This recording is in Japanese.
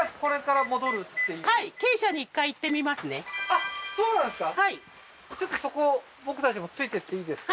あっそうなんですか？